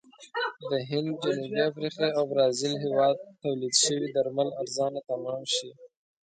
د هند، جنوبي افریقې او برازیل هېواد تولید شوي درمل ارزانه تمام شي.